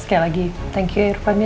sekali lagi terimakasih ya irfan ya